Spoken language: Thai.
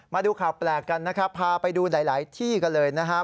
มาดูข่าวแปลกกันนะครับพาไปดูหลายที่กันเลยนะครับ